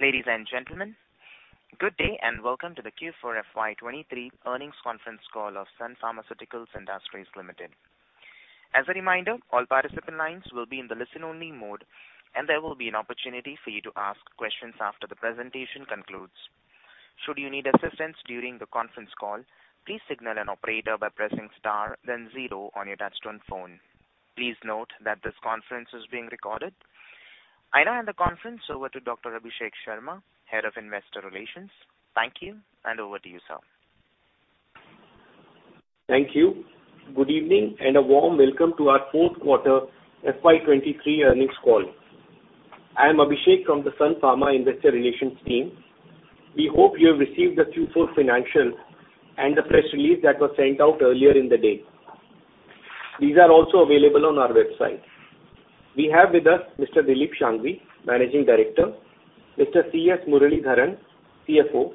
Ladies and gentlemen, good day, and welcome to the Q4 FY 2023 earnings conference call of Sun Pharmaceutical Industries Limited. As a reminder, all participant lines will be in the listen-only mode, and there will be an opportunity for you to ask questions after the presentation concludes. Should you need assistance during the conference call, please signal an operator by pressing Star then Zero on your touchtone phone. Please note that this conference is being recorded. I now hand the conference over to Dr. Abhishek Sharma, Head of Investor Relations. Thank you, and over to you, sir. Thank you. Good evening, and a warm welcome to our fourth quarter FY 2023 earnings call. I am Abhishek from the Sun Pharma Investor Relations team. We hope you have received the Q4 financials and the press release that was sent out earlier in the day. These are also available on our website. We have with us Mr. Dilip Shanghvi, Managing Director, Mr. C.S. Muralidharan, CFO,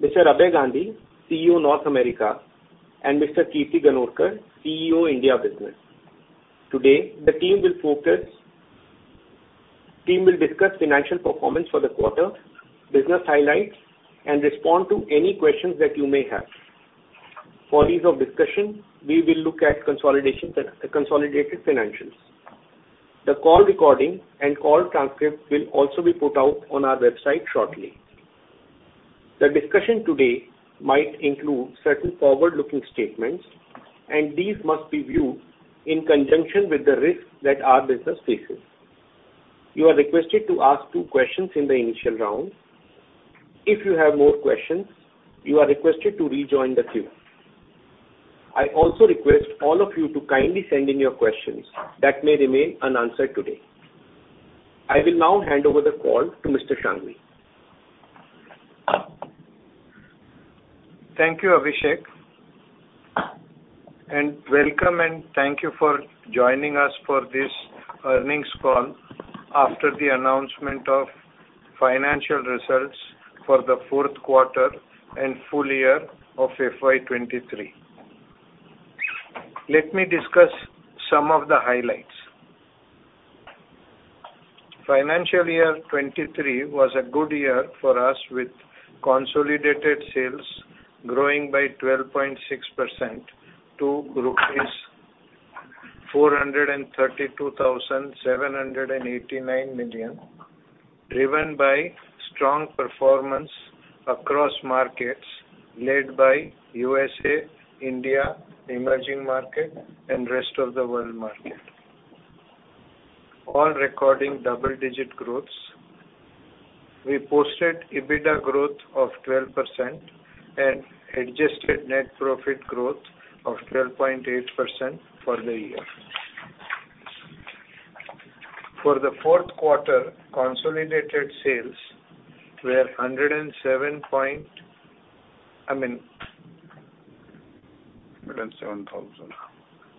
Mr. Abhay Gandhi, CEO, North America, and Mr. Kirti Ganorkar, CEO, India Business. Today, the team will discuss financial performance for the quarter, business highlights, and respond to any questions that you may have. For ease of discussion, we will look at consolidated financials. The call recording and call transcript will also be put out on our website shortly. The discussion today might include certain forward-looking statements. These must be viewed in conjunction with the risks that our business faces. You are requested to ask two questions in the initial round. If you have more questions, you are requested to rejoin the queue. I also request all of you to kindly send in your questions that may remain unanswered today. I will now hand over the call to Mr. Shanghvi. Thank you, Abhishek, welcome, and thank you for joining us for this earnings call after the announcement of financial results for the fourth quarter and full year of FY 2023. Let me discuss some of the highlights. Financial year 2023 was a good year for us, with consolidated sales growing by 12.6% to rupees 432,789 million, driven by strong performance across markets led by USA, India, Emerging Market, and Rest of the World Market, all recording double-digit growths. We posted EBITDA growth of 12% and adjusted net profit growth of 12.8% for the year. For the fourth quarter, consolidated sales were I mean. INR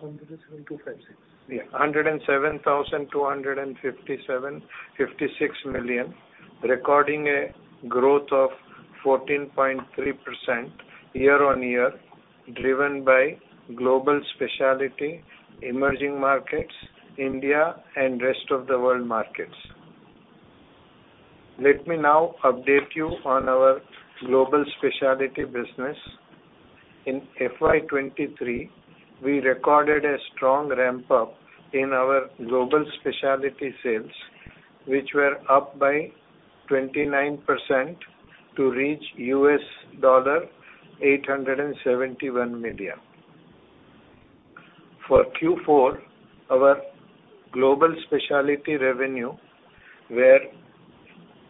107,000. Hundred and seven two five six. Yeah, 107,257.56 million, recording a growth of 14.3% year-on-year, driven by global specialty, emerging markets, India, and Rest of the World markets. Let me now update you on our global specialty business. In FY 2023, we recorded a strong ramp-up in our global specialty sales, which were up by 29% to reach $871 million. For Q4, our global specialty revenue were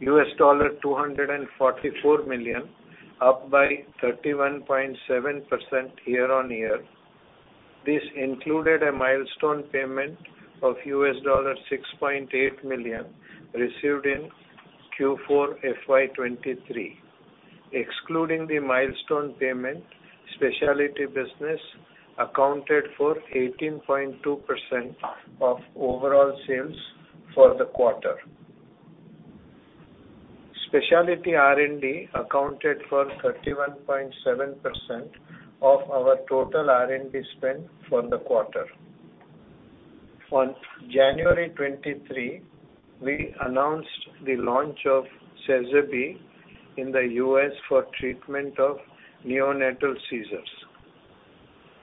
$244 million, up by 31.7% year-on-year. This included a milestone payment of $6.8 million, received in Q4 FY 2023. Excluding the milestone payment, specialty business accounted for 18.2% of overall sales for the quarter. Specialty R&D accounted for 31.7% of our total R&D spend for the quarter. On January 23rd, we announced the launch of Sezaby in the US for treatment of neonatal seizures.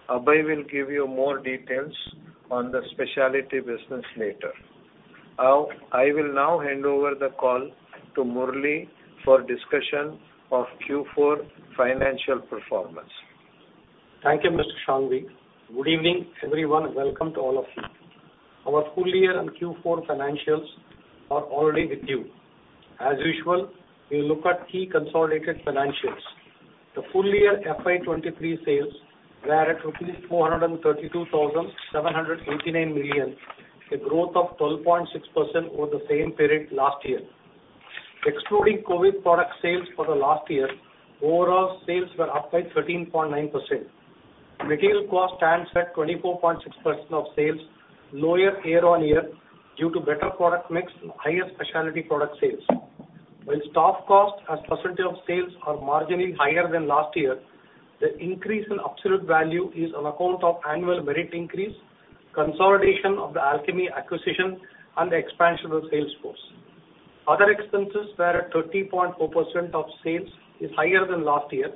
Abhay will give you more details on the specialty business later. I will now hand over the call to Murali for discussion of Q4 financial performance. Thank you, Mr. Shanghvi. Good evening, everyone, and welcome to all of you. Our full year and Q4 financials are already with you. As usual, we look at key consolidated financials. The full year FY 2023 sales were at rupees 432,789 million, a growth of 12.6% over the same period last year. Excluding COVID product sales for the last year, overall sales were up by 13.9%. Material cost stands at 24.6% of sales, lower year-on-year, due to better product mix and higher specialty product sales. While stock costs as percentage of sales are marginally higher than last year, the increase in absolute value is on account of annual merit increase, consolidation of the Alchemee acquisition, and the expansion of the sales force. Other expenses were at 30.4% of sales, is higher than last year,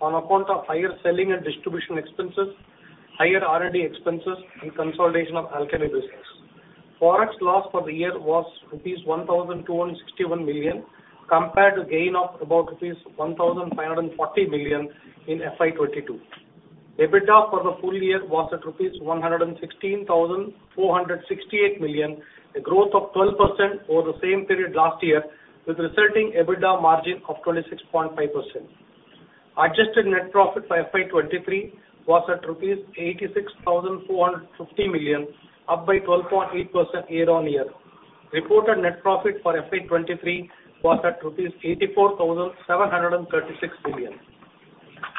on account of higher selling and distribution expenses, higher R&D expenses, and consolidation of Alchemee business. Forex loss for the year was rupees 1,261 million, compared to gain of about rupees 1,540 million in FY 2022. EBITDA for the full year was at rupees 116,468 million, a growth of 12% over the same period last year, with resulting EBITDA margin of 26.5%. Adjusted net profit for FY 2023 was at rupees 86,450 million, up by 12.8% year-on-year. Reported net profit for FY 2023 was at rupees 84,736 billion.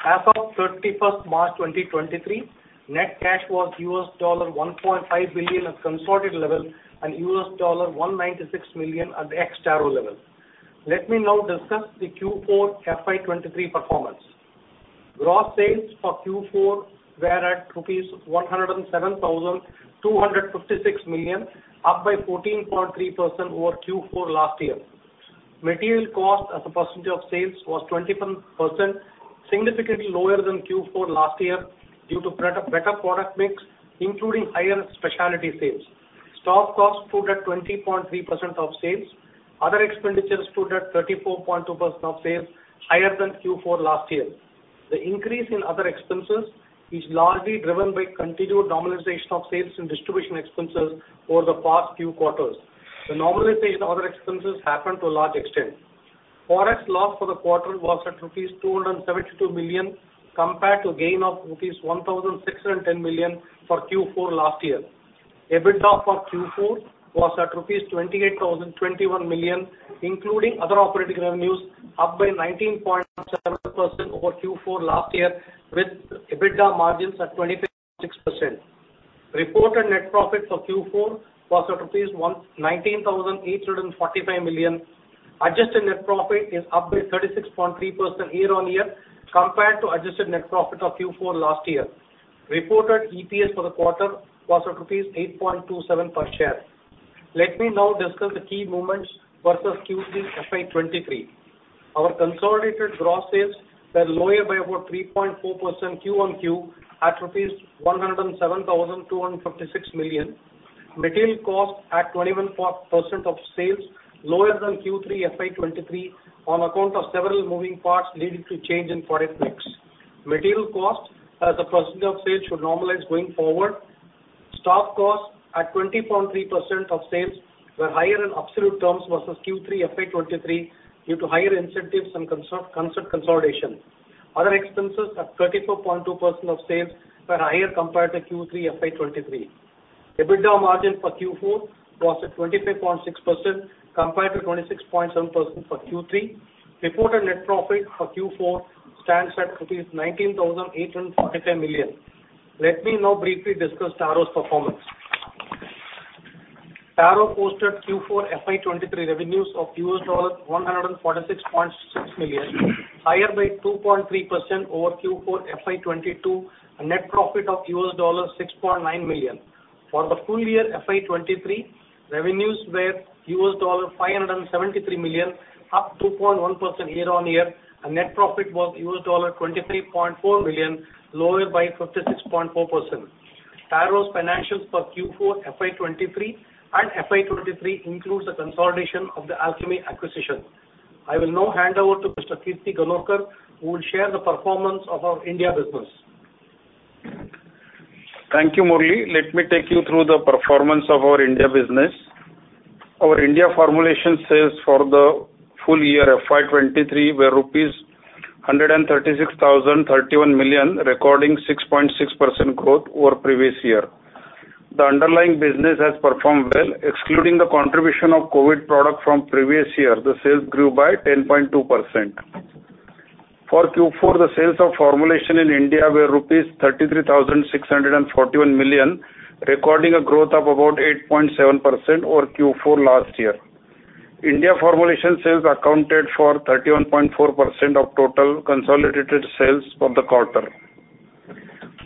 As of 31st March 2023, net cash was $1.5 billion at consolidated level, and $196 million at the ex-Taro level. Let me now discuss the Q4 FY 2023 performance. Gross sales for Q4 were at rupees 107,256 million, up by 14.3% over Q4 last year. Material cost as a percentage of sales was 21%, significantly lower than Q4 last year, due to better product mix, including higher specialty sales. Stock costs stood at 20.3% of sales. Other expenditures stood at 34.2% of sales, higher than Q4 last year. The increase in other expenses is largely driven by continued normalization of sales and distribution expenses over the past few quarters. The normalization in other expenses happened to a large extent. Forex loss for the quarter was at rupees 272 million, compared to gain of rupees 1,610 million for Q4 last year. EBITDA for Q4 was at rupees 28,021 million, including other operating revenues, up by 19.7% over Q4 last year, with EBITDA margins at 26%. Reported net profit for Q4 was at rupees 19,845 million. Adjusted net profit is up by 36.3% year-on-year, compared to adjusted net profit of Q4 last year. Reported EPS for the quarter was at 8.27 per share. Let me now discuss the key moments versus Q3 FY 2023. Our consolidated gross sales were lower by about 3.4% Q-on-Q, at INR 107,256 million. Material costs at 21% of sales, lower than Q3 FY 2023, on account of several moving parts leading to change in product mix. Material costs as a percentage of sales should normalize going forward. Stock costs at 20.3% of sales were higher in absolute terms versus Q3 FY 2023, due to higher incentives and consort consolidation. Other expenses at 34.2% of sales were higher compared to Q3 FY 2023. EBITDA margin for Q4 was at 25.6%, compared to 26.7% for Q3. Reported net profit for Q4 stands at rupees 19,845 million. Let me now briefly discuss Taro's performance. Taro posted Q4 FY 2023 revenues of $146.6 million, higher by 2.3% over Q4 FY 2022, a net profit of $6.9 million. For the full year, FY 2023, revenues were $573 million, up 2.1% year-on-year, and net profit was $23.4 million, lower by 56.4%. Taro's financials for Q4 FY 2023 and FY 2023 includes the consolidation of the Alchemee acquisition. I will now hand over to Mr. Kirti Ganorkar, who will share the performance of our India business. Thank you, Murali. Let me take you through the performance of our India business. Our India formulation sales for the full year, FY 2023, were rupees 136,031 million, recording 6.6% growth over previous year. The underlying business has performed well, excluding the contribution of COVID product from previous year, the sales grew by 10.2%. For Q4, the sales of formulation in India were rupees 33,641 million, recording a growth of about 8.7% over Q4 last year. India formulation sales accounted for 31.4% of total consolidated sales for the quarter.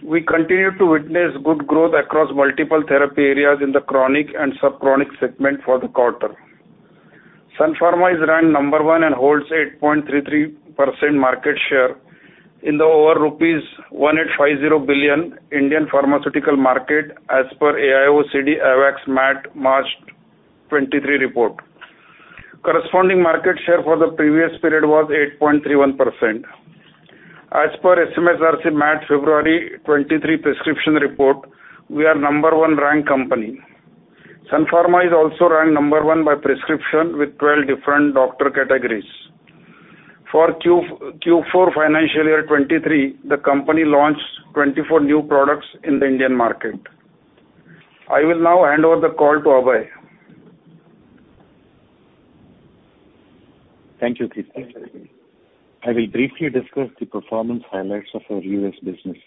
We continue to witness good growth across multiple therapy areas in the chronic and sub-chronic segment for the quarter. Sun Pharma is ranked number 1 and holds 8.33% market share in the over rupees 1,850 billion Indian pharmaceutical market, as per AIOCD AWACS MAT, March 23rd report. Corresponding market share for the previous period was 8.31%. As per SMSRC MAT, February 23rd prescription report, we are number 1 ranked company. Sun Pharma is also ranked number one by prescription, with 12 different doctor categories. For Q4 financial year 2023, the company launched 24 new products in the Indian market. I will now hand over the call to Abhay. Thank you, Kirti. I will briefly discuss the performance highlights of our U.S. business.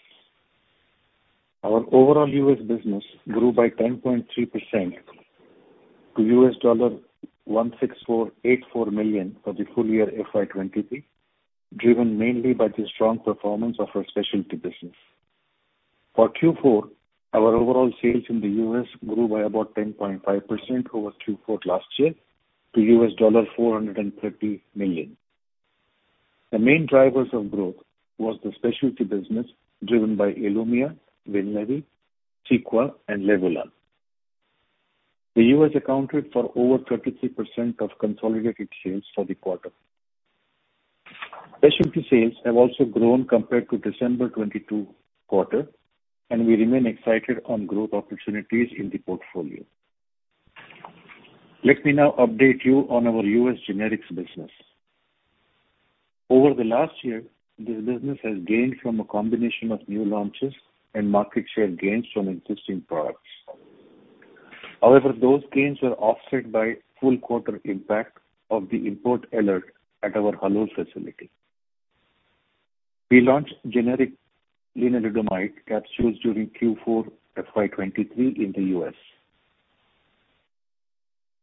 Our overall U.S. business grew by 10.3% to $1,648.4 million for the full year FY 2023, driven mainly by the strong performance of our specialty business. For Q4, our overall sales in the U.S. grew by about 10.5% over Q4 last year to $430 million. The main drivers of growth was the specialty business, driven by ILUMYA, WINLEVI, CEQUA, and LEVULAN. The U.S. accounted for over 33% of consolidated sales for the quarter. Specialty sales have also grown compared to December 2022 quarter. We remain excited on growth opportunities in the portfolio. Let me now update you on our U.S. generics business. Over the last year, this business has gained from a combination of new launches and market share gains from existing products. Those gains were offset by full quarter impact of the import alert at our Halol facility. We launched generic lenalidomide capsules during Q4 FY 2023 in the US.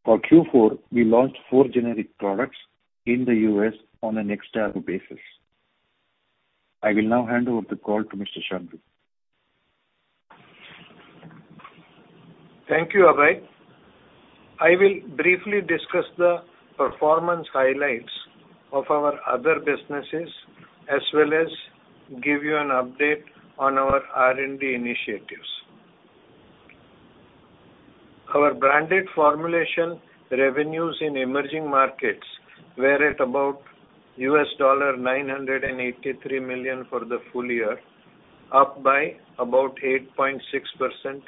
For Q4, we launched 4 generic products in the US on an ex-WBU basis. I will now hand over the call to Mr. Chandru. Thank you, Abhay. I will briefly discuss the performance highlights of our other businesses, as well as give you an update on our R&D initiatives. Our branded formulation revenues in emerging markets were at about $983 million for the full year, up by about 8.6%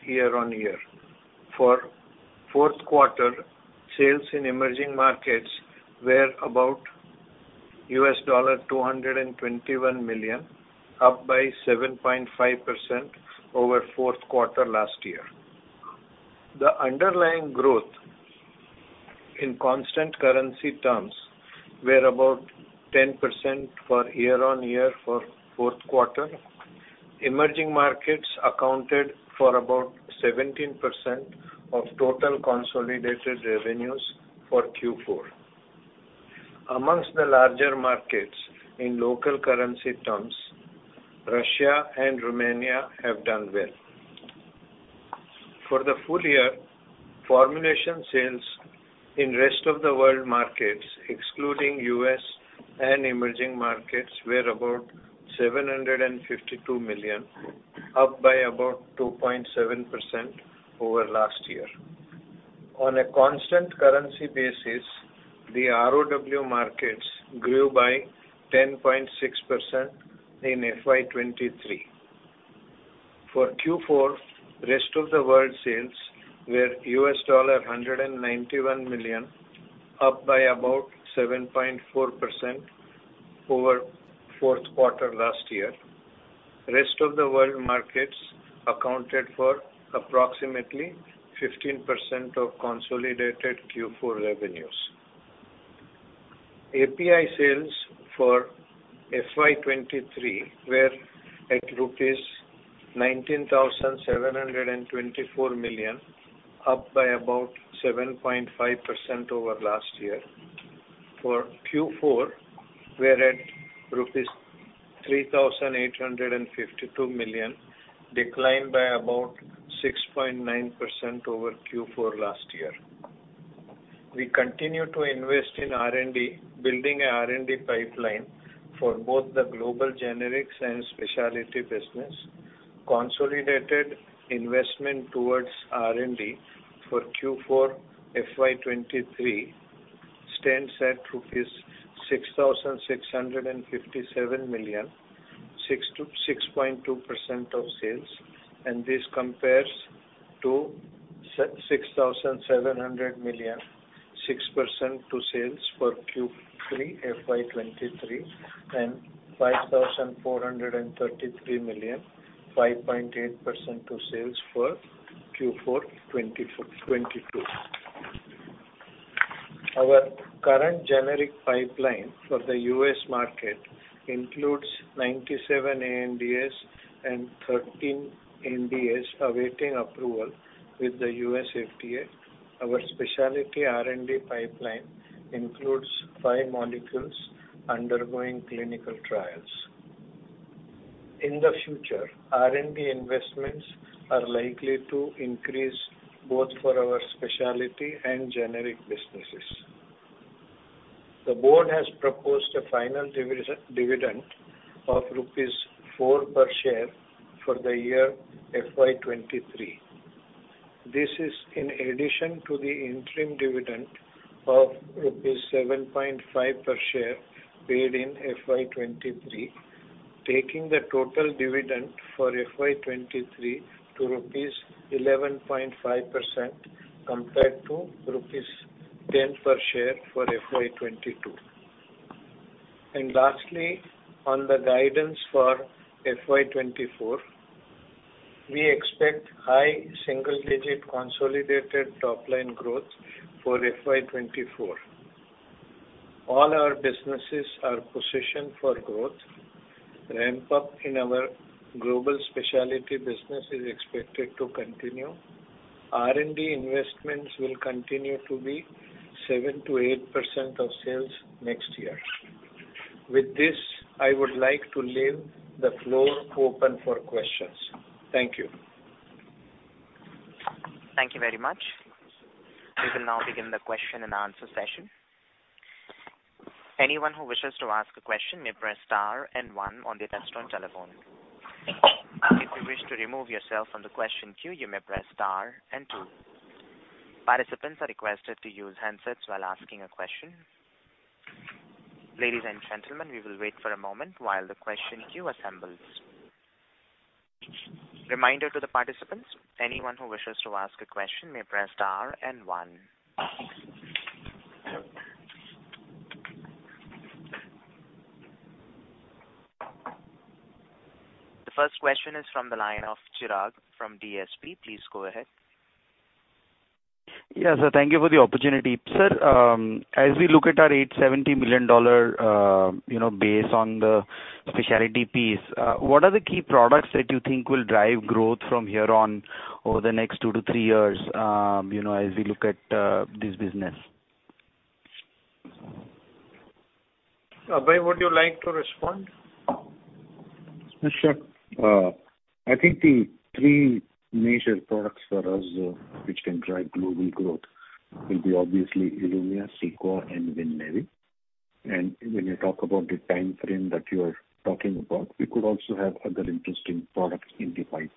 year-on-year. For fourth quarter, sales in emerging markets were about $221 million, up by 7.5% over fourth quarter last year. The underlying growth in constant currency terms were about 10% for year-on-year for fourth quarter. Emerging markets accounted for about 17% of total consolidated revenues for Q4. Amongst the larger markets, in local currency terms, Russia and Romania have done well. For the full year, formulation sales in rest of the world markets, excluding U.S. and emerging markets, were about $752 million, up by about 2.7% over last year. On a constant currency basis, the ROW markets grew by 10.6% in FY 2023. For Q4, rest of the world sales were $191 million, up by about 7.4% over fourth quarter last year. Rest of the world markets accounted for approximately 15% of consolidated Q4 revenues. API sales for FY 2023 were at rupees 19,724 million, up by about 7.5% over last year. For Q4, we're at rupees 3,852 million, declined by about 6.9% over Q4 last year. We continue to invest in R&D, building a R&D pipeline for both the global generics and specialty business. Consolidated investment towards R&D for Q4 FY 2023 stands at INR 6,657 million, 6%-6.2% of sales. This compares to 6,700 million, 6% to sales for Q3 FY 2023, and 5,433 million, 5.8% to sales for Q4 2022. Our current generic pipeline for the U.S. market includes 97 ANDAs and 13 NDAs awaiting approval with the US FDA. Our specialty R&D pipeline includes five molecules undergoing clinical trials. In the future, R&D investments are likely to increase both for our specialty and generic businesses. The board has proposed a final dividend of rupees 4 per share for the year FY 2023. This is in addition to the interim dividend of rupees 7.5 per share paid in FY 2023, taking the total dividend for FY 2023 to INR 11.5%, compared to rupees 10 per share for FY 2022. Lastly, on the guidance for FY 2024, we expect high single-digit consolidated top-line growth for FY 2024. All our businesses are positioned for growth. Ramp-up in our global specialty business is expected to continue. R&D investments will continue to be 7%-8% of sales next year. With this, I would like to leave the floor open for questions. Thank you. Thank you very much. We will now begin the question and answer session. Anyone who wishes to ask a question may press star and one on their telephone. If you wish to remove yourself from the question queue, you may press star and two. Participants are requested to use handsets while asking a question. Ladies and gentlemen, we will wait for a moment while the question queue assembles. Reminder to the participants, anyone who wishes to ask a question may press star and one. The first question is from the line of Chirag from DSP. Please go ahead. Yes, sir. Thank you for the opportunity. Sir, as we look at our $870 million, you know, base on the specialty piece, what are the key products that you think will drive growth from here on over the next two to three years, you know, as we look at this business? Abhay, would you like to respond? Sure. I think the three major products for us, which can drive global growth will be obviously ILUMYA, CEQUA, and WINLEVI. When you talk about the time frame that you are talking about, we could also have other interesting products in the pipeline.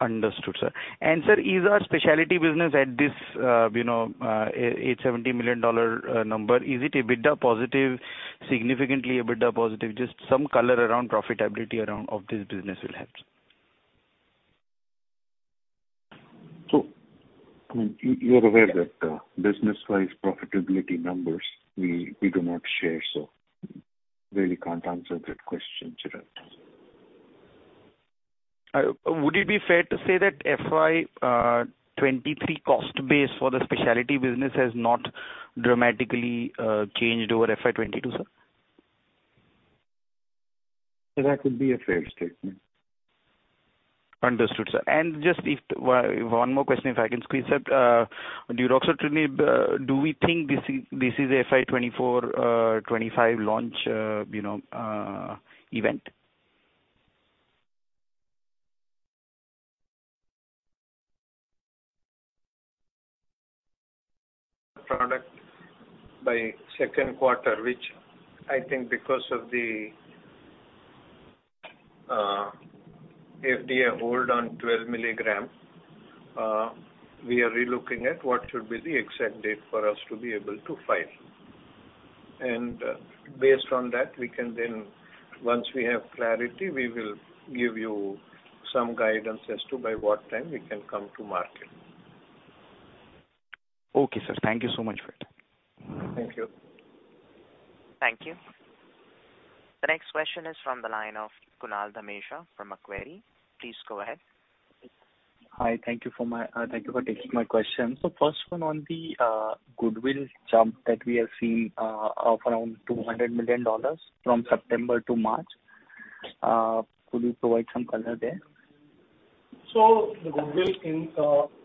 Understood, sir. Sir, is our specialty business at this, you know, $870 million number, is it EBITDA positive, significantly EBITDA positive? Just some color around profitability of this business will help. I mean, you are aware that, business-wise, profitability numbers, we do not share, so really can't answer that question, Chirag. Would it be fair to say that FY 2023 cost base for the specialty business has not dramatically changed over FY 2022, sir? That would be a fair statement. Understood, sir. One more question, if I can squeeze, sir. deuruxolitinib, do we think this is a FY 2024, FY 2025 launch, you know, event? Product by second quarter, which I think because of the FDA hold on 12 milligram, we are relooking at what should be the exact date for us to be able to file. Based on that, we can then, once we have clarity, we will give you some guidance as to by what time we can come to market. Okay, sir. Thank you so much for it. Thank you. Thank you. The next question is from the line of Kunal Dhamesha from Macquarie. Please go ahead. Hi, thank you for taking my question. First one on the goodwill jump that we have seen of around $200 million from September to March. Could you provide some color there? The goodwill increase is mainly because of the Concert acquisition.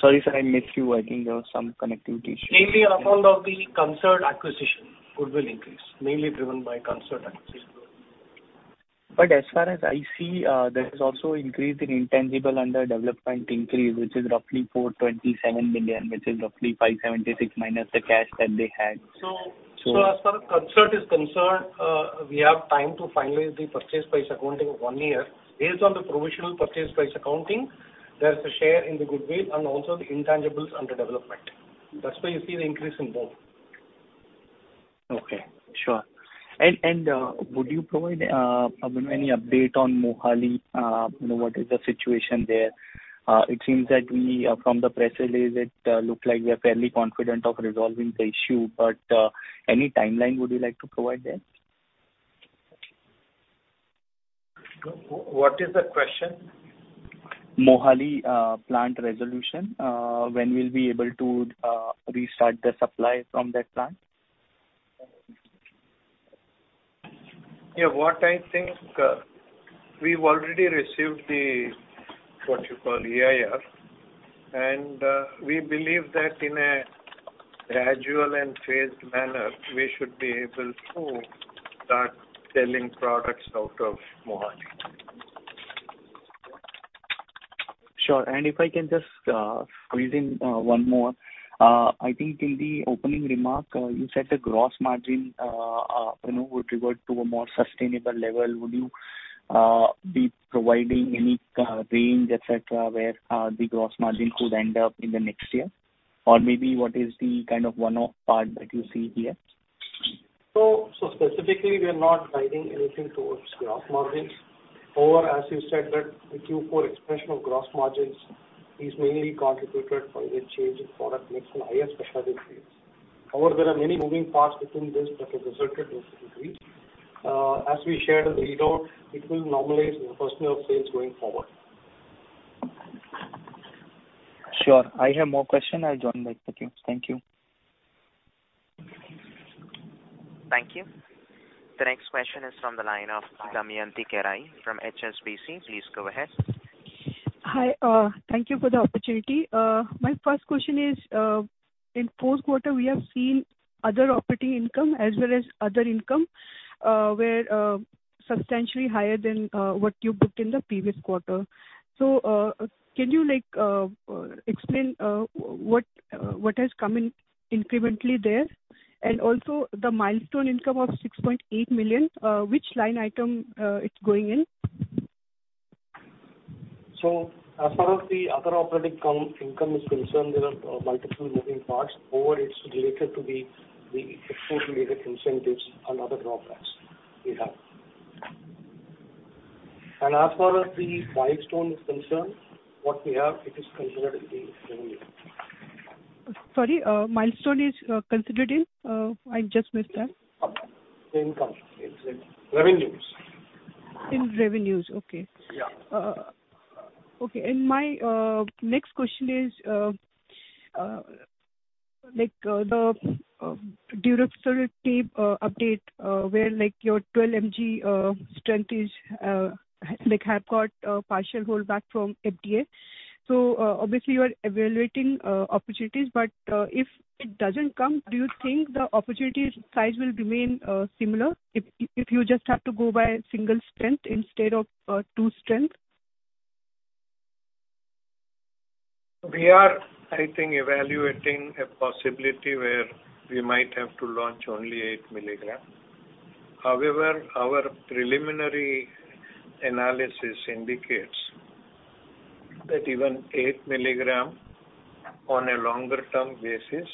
Sorry, sir, I missed you. I think there was some connectivity issue. Mainly account of the Concert acquisition goodwill increase, mainly driven by Concert acquisition. As far as I see, there is also increase in intangible under development increase, which is roughly $427 million, which is roughly $576, minus the cash that they had. As far as Concert is concerned, we have time to finalize the purchase price, accounting of one year. Based on the provisional purchase price accounting, there's a share in the goodwill and also the intangibles under development. That's why you see the increase in both. Okay, sure. Would you provide any update on Mohali? You know, what is the situation there? It seems that we, from the press release, it looked like we are fairly confident of resolving the issue, but any timeline would you like to provide there? What is the question? Mohali, plant resolution, when we'll be able to restart the supply from that plant? Yeah. What I think, we've already received the, what you call, EIR. We believe that in a gradual and phased manner, we should be able to start selling products out of Mohali. Sure. If I can just squeeze in one more. I think in the opening remark, you said the gross margin, you know, would revert to a more sustainable level. Would you be providing any range, et cetera, where the gross margin could end up in the next year? Maybe what is the kind of one-off part that you see here? Specifically, we are not guiding anything towards gross margins, or as you said, that the Q4 expression of gross margin...... is mainly contributed by the change in product mix and higher specialty sales. There are many moving parts within this that have resulted in this decrease. As we shared in the readout, it will normalize in the personal sales going forward. Sure. I have more question. I'll join back with you. Thank you. Thank you. The next question is from the line of Damayanti Kerai from HSBC. Please go ahead. Hi, thank you for the opportunity. My first question is, in fourth quarter, we have seen other operating income as well as other income, were substantially higher than what you booked in the previous quarter. Can you, like, explain, what has come in incrementally there? Also the milestone income of 6.8 million, which line item, it's going in? As far as the other operating income is concerned, there are multiple moving parts, or it's related to the export-related incentives and other drawbacks we have. As far as the milestone is concerned, what we have, it is considered in the revenue. Sorry, milestone is considered in? I just missed that. Income. In revenues. In revenues, okay. Yeah. ext question is, like, the durability update, where, like, your 12 mg strength has got a partial holdback from FDA. So, obviously you are evaluating opportunities, but if it doesn't come, do you think the opportunity size will remain similar if you just have to go by single strength instead of two strength? `` We are, I think, evaluating a possibility where we might have to launch only 8 milligram. Our preliminary analysis indicates that even 8 milligram on a longer term basis,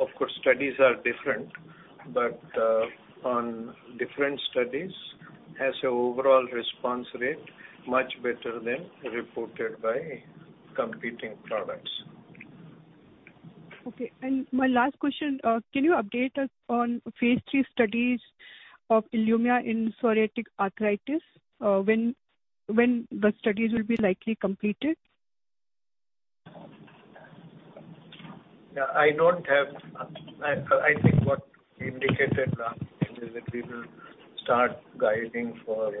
Of course, studies are different, but on different studies, has an overall response rate, much better than reported by competing products. Okay. My last question, can you update us on phase three studies of ILUMYA in psoriatic arthritis? When the studies will be likely completed? I don't have... I think what we indicated is that we will start guiding for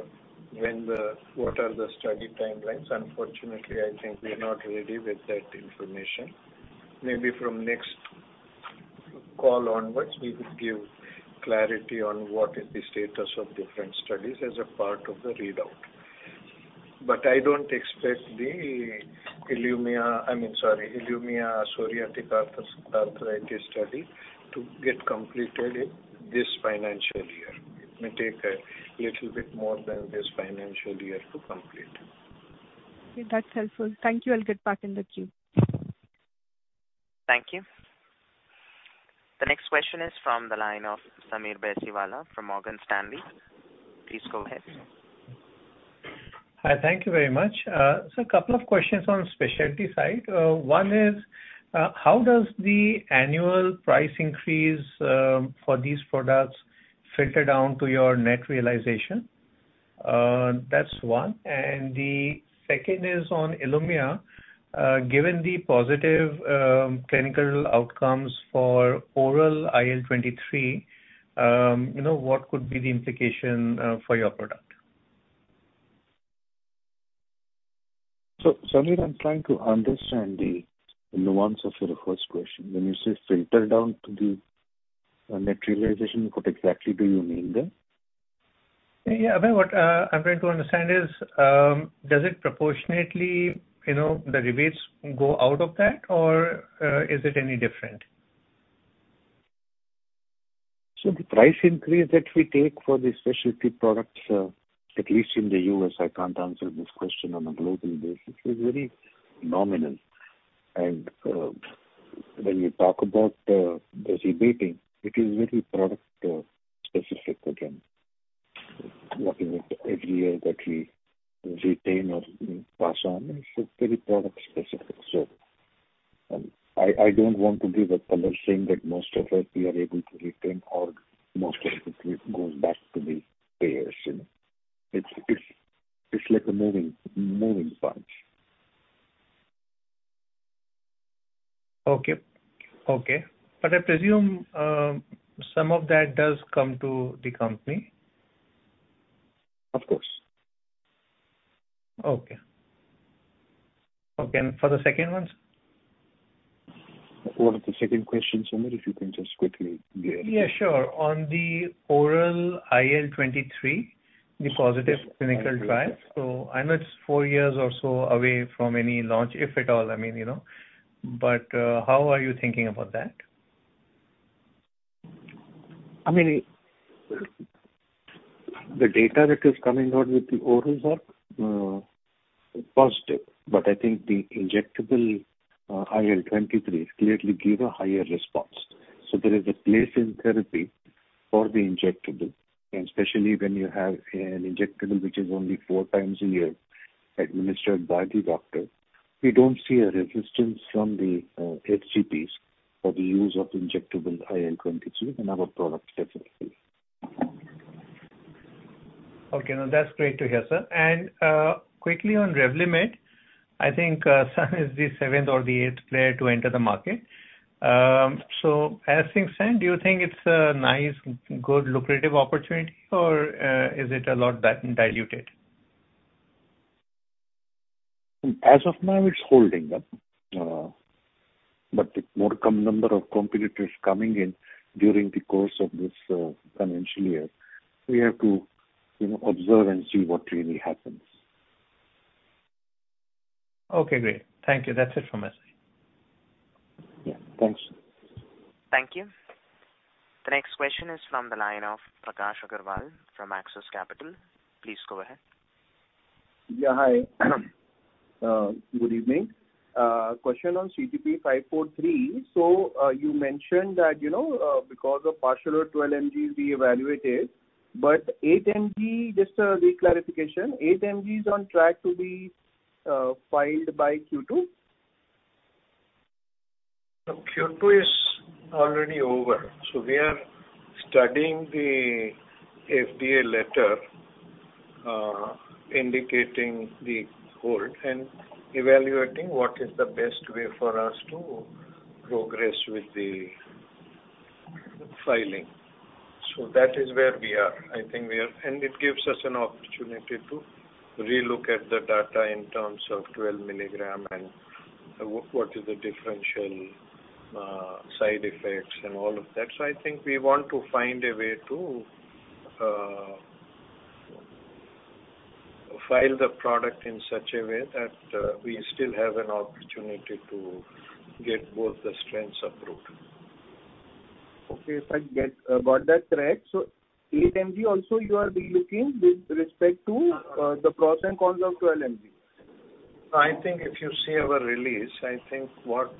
what are the study timelines. Unfortunately, I think we are not ready with that information. Maybe from next call onwards, we could give clarity on what is the status of different studies as a part of the readout. I don't expect the ILUMYA, I mean, sorry, ILUMYA psoriatic arthritis study to get completed in this financial year. It may take a little bit more than this financial year to complete. Okay, that's helpful. Thank you. I'll get back in the queue. Thank you. The next question is from the line of Sameer Baisiwala from Morgan Stanley. Please go ahead. Hi, thank you very much. A couple of questions on specialty side. One is, how does the annual price increase for these products filter down to your net realization? That's one. The second is on ILUMYA. Given the positive clinical outcomes for oral IL-23, you know, what could be the implication for your product? Sameer, I'm trying to understand the nuance of your first question. When you say filter down to the net realization, what exactly do you mean there? Yeah, what I'm trying to understand is, does it proportionately, you know, the rebates go out of that, or is it any different? The price increase that we take for the specialty products, at least in the U.S., I can't answer this question on a global basis, is very nominal. When you talk about the rebating, it is very product specific to them. Working with every year that we retain or pass on, it's very product specific. I don't want to give a color saying that most of it we are able to retain or most of it goes back to the payers. It's like a moving parts. Okay. Okay. I presume, some of that does come to the company? Of course. Okay. Okay, for the second one, sir? What was the second question, Samir, if you can just quickly repeat? Yeah, sure. On the oral IL-23, the positive clinical trial. I know it's four years or so away from any launch, if at all, I mean, you know, but how are you thinking about that? I mean, the data that is coming out with the orals are positive. I think the injectable IL-23 clearly give a higher response. There is a place in therapy for the injectable, and especially when you have an injectable which is only four times a year administered by the doctor. We don't see a resistance from the HCPs for the use of injectable IL-23 in our product definitely. Okay, now, that's great to hear, sir. quickly on REVLIMID, I think, Sun is the seventh or the eighth player to enter the market. as things stand, do you think it's a nice, good, lucrative opportunity, or, is it a lot diluted? As of now, it's holding up. With more come number of competitors coming in during the course of this financial year, we have to, you know, observe and see what really happens. Okay, great. Thank you. That's it from my side. Yeah, thanks. Thank you. The next question is from the line of Prakash Agarwal from Axis Capital. Please go ahead. Yeah, hi. Good evening. Question on CTP-543. You mentioned that, you know, because of partial or 12 mg reevaluated, but 8 mg, just the clarification, 8 mg is on track to be filed by Q2? Q2 is already over. We are studying the FDA letter, indicating the hold and evaluating what is the best way for us to progress with the filing. That is where we are. I think we are. It gives us an opportunity to relook at the data in terms of 12 milligram and what are the differential side effects and all of that. I think we want to find a way to file the product in such a way that we still have an opportunity to get both the strengths approved. Okay, if I get about that correct, 8 mg also you are relooking with respect to the pros and cons of 12 mg? I think if you see our release, I think what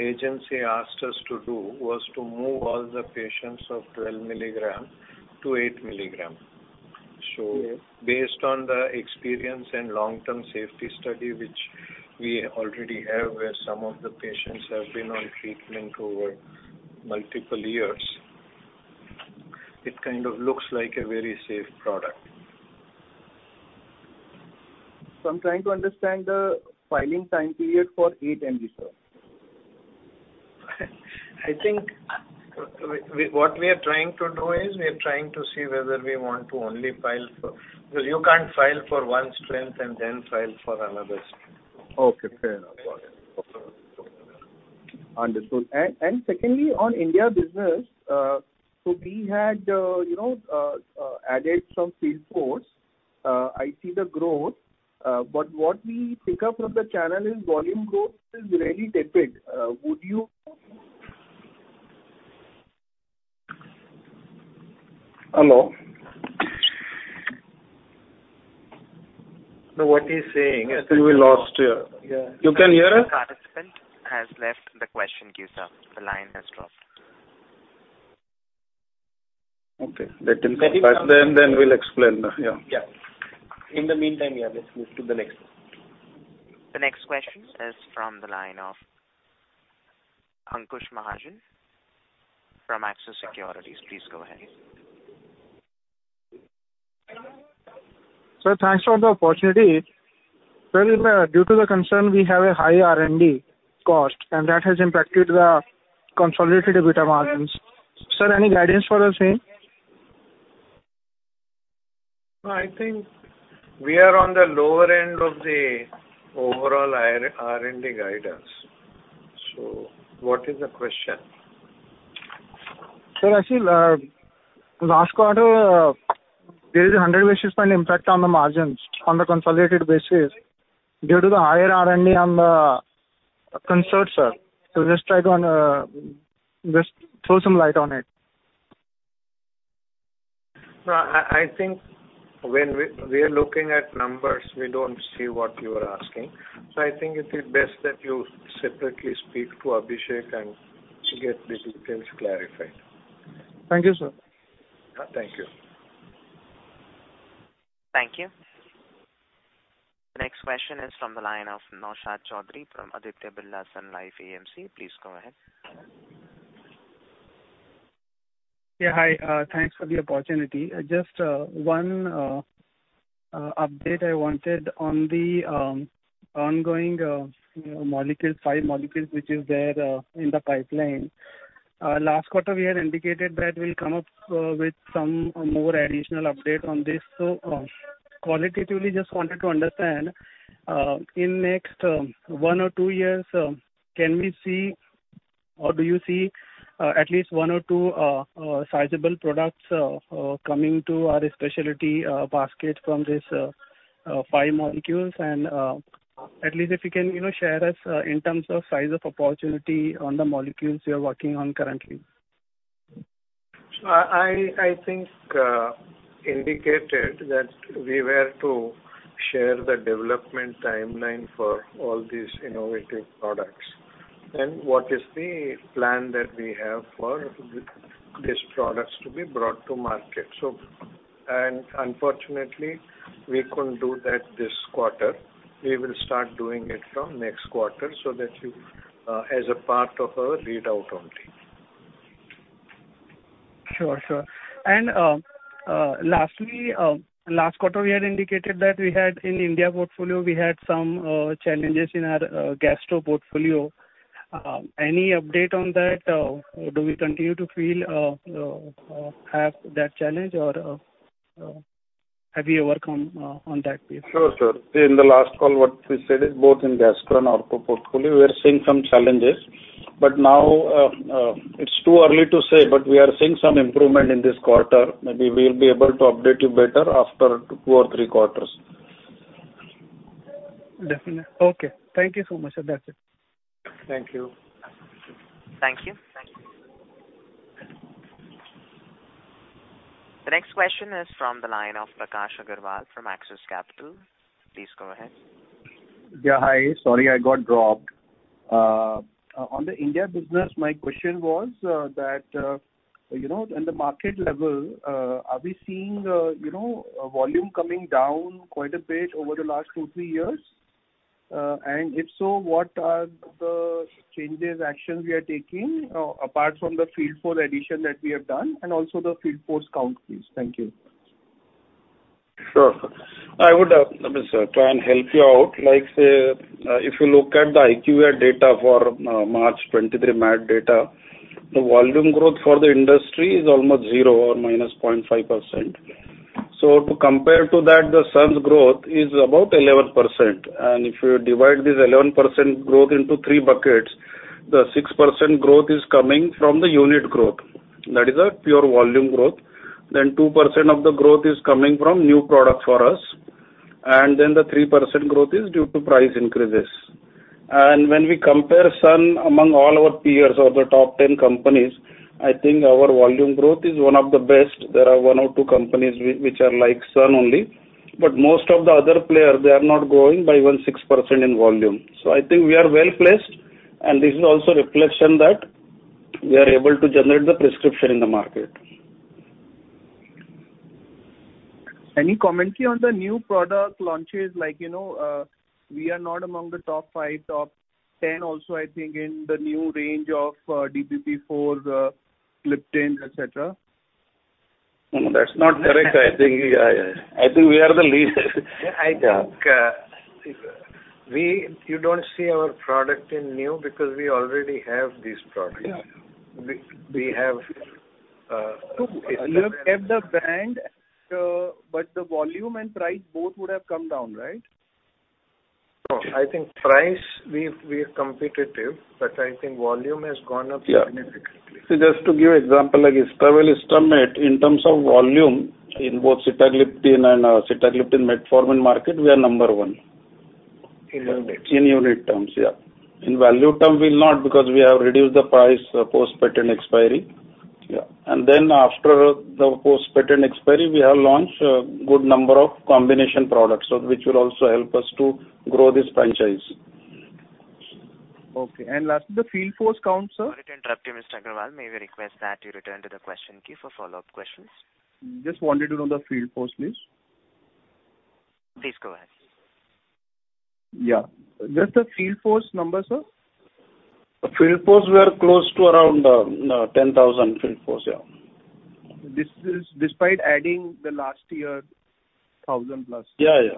Agency asked us to do was to move all the patients of 12 milligram to 8 milligram. Okay. Based on the experience and long-term safety study, which we already have, where some of the patients have been on treatment over multiple years, it kind of looks like a very safe product. I'm trying to understand the filing time period for 8 mg, sir. I think we, what we are trying to do is, we are trying to see whether we want to only file for. Because you can't file for one strength and then file for another strength. Okay, fair enough. Got it. Understood. Secondly, on India business, we had, you know, added some sales force. I see the growth, but what we pick up from the channel is volume growth is really tepid. Hello? No, what he's saying. We lost you. Yeah. You can hear us? Participant has left the question queue, sir. The line has dropped. Let him come back, then we'll explain. Yeah. Yeah. In the meantime, yeah, let's move to the next. The next question is from the line of Ankush Mahajan from Axis Securities. Please go ahead. Sir, thanks for the opportunity. Well, due to the concern, we have a high R&D cost. That has impacted the consolidated EBITDA margins. Sir, any guidance for the same? I think we are on the lower end of the overall R&D guidance. What is the question? Sir, actually, last quarter, there is a 100 basis points impact on the margins on the consolidated basis due to the higher R&D on the Concert, sir. Just try to, just throw some light on it. I think when we are looking at numbers, we don't see what you are asking. I think it's best that you separately speak to Abhishek and get the details clarified. Thank you, sir. Thank you. Thank you. The next question is from the line of Naushad Chaudhary from Aditya Birla Sun Life AMC. Please go ahead. Yeah, hi. Thanks for the opportunity. Just one update I wanted on the ongoing molecule, five molecules, which is there in the pipeline. Last quarter, we had indicated that we'll come up with some more additional update on this. Qualitatively, just wanted to understand, in next one or two years, can we see or do you see, at least one or two sizable products coming to our specialty basket from this five molecules? At least if you can, you know, share us in terms of size of opportunity on the molecules you're working on currently. I think indicated that we were to share the development timeline for all these innovative products, and what is the plan that we have for these products to be brought to market. Unfortunately, we couldn't do that this quarter. We will start doing it from next quarter, so that you as a part of our readout only. Sure, sure. Lastly, last quarter, we had indicated that we had in India portfolio, we had some, challenges in our, gastro portfolio. Any update on that? Do we continue to feel, have that challenge, or, have you worked on that please? Sure, sir. In the last call, what we said is both in gastro and ortho portfolio, we are seeing some challenges. Now, it's too early to say, but we are seeing some improvement in this quarter. Maybe we'll be able to update you better after two or three quarters. Definitely. Okay, thank you so much, sir. That's it. Thank you. Thank you. The next question is from the line of Prakash Agarwal from Axis Capital. Please go ahead. Hi. Sorry, I got dropped. On the India business, my question was, that, you know, in the market level, are we seeing, you know, volume coming down quite a bit over the last two, three years? If so, what are the changes, actions we are taking, apart from the field force addition that we have done, and also the field force count, please? Thank you. Sure. I would, let me try and help you out. Like, say, if you look at the IQVIA data for March 2023 MAT data, the volume growth for the industry is almost 0 or -0.5%. To compare to that, Sun's growth is about 11%. If you divide this 11% growth into three buckets, the 6% growth is coming from the unit growth. That is a pure volume growth. Two percent of the growth is coming from new products for us, and the 3% growth is due to price increases. When we compare Sun among all our peers or the top 10 companies, I think our volume growth is one of the best. There are one or two companies which are like Sun only, but most of the other players, they are not growing by even 6% in volume. I think we are well-placed, and this is also a reflection that we are able to generate the prescription in the market. Any commentary on the new product launches, like, you know, we are not among the top 5, top 10 also, I think, in the new range of, DPP4, the gliptins, et cetera. No, that's not correct. I think we are the leader. I think, you don't see our product in new because we already have these products. Yeah. We have If the brand, but the volume and price both would have come down, right? I think price, we're competitive, but I think volume has gone up significantly. Just to give example, like Istavel Istamet in terms of volume in both sitagliptin and sitagliptin metformin market, we are number one. In unit. In unit terms. Yeah. In value term, we're not, because we have reduced the price post-patent expiry. Yeah. After the post-patent expiry, we have launched a good number of combination products, which will also help us to grow this franchise. Okay. Lastly, the field force count, sir? Sorry to interrupt you, Mr. Agarwal. May we request that you return to the question queue for follow-up questions? Just wanted to know the field force, please. Please go ahead. Yeah. Just the field force number, sir. Field force, we are close to around 10,000 field force, yeah. This is despite adding the last year, 1,000+? Yeah.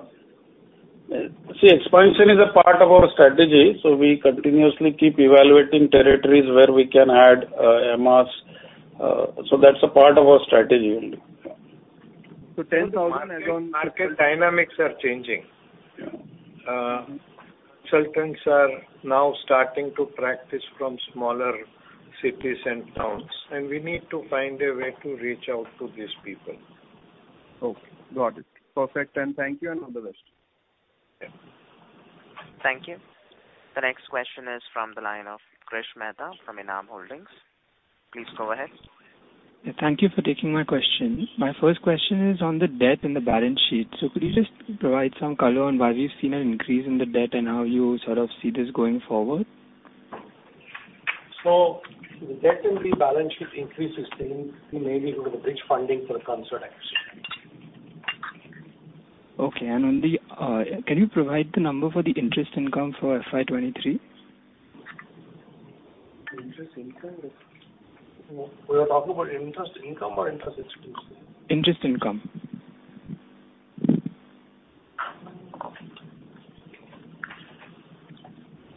See, expansion is a part of our strategy, so we continuously keep evaluating territories where we can add MS. That's a part of our strategy only. So ten thousand- Market dynamics are changing. Yeah. Consultants are now starting to practice from smaller cities and towns, and we need to find a way to reach out to these people. Okay, got it. Perfect, thank you and all the best. Yeah. Thank you. The next question is from the line of Krish Mehta from Enam Holdings. Please go ahead. Thank you for taking my question. My first question is on the debt and the balance sheet. Could you just provide some color on why we've seen an increase in the debt and how you sort of see this going forward? The debt in the balance sheet increase is mainly due to the bridge funding for the Concert. Okay. on the... Can you provide the number for the interest income for FY 2023? Interest income? We are talking about interest income or interest expense? Interest income.